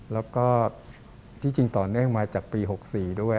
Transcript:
แล้วก็ที่จริงต่อเนื่องมาจากปี๖๔ด้วย